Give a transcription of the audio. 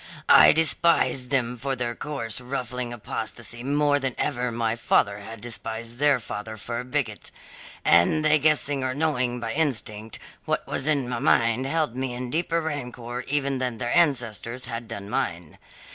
I despised them for their coarse, ruffling apostasy more than ever my father had despised their father for a bigot, and they guessing or knowing by instinct what was in my mind held me in deeper rancour even than their ancestors had done mine.